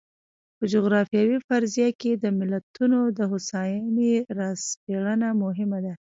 په جغرافیوي فرضیه کې د ملتونو د هوساینې را سپړنه مهمه ده.